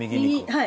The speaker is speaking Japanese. はい。